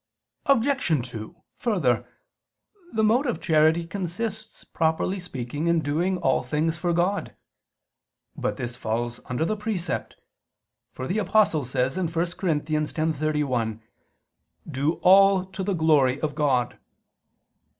Obj. 2: Further, the mode of charity consists properly speaking in doing all things for God. But this falls under the precept; for the Apostle says (1 Cor. 10:31): "Do all to the glory of God."